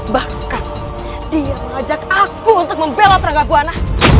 bahkan dia mengajak aku untuk membelat rangga buana